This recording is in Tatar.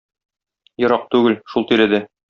Ерак түгел, шул тирәдә.